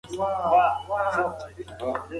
باثباته ژوند د هر چا حق دی.